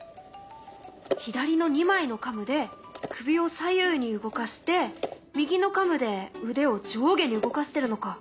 左の２枚のカムで首を左右に動かして右のカムで腕を上下に動かしてるのか。